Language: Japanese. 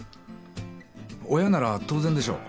親なら当然でしょう？